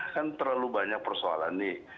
kan terlalu banyak persoalan nih